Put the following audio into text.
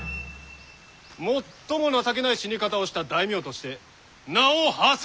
最も情けない死に方をした大名として名をはせるであろう！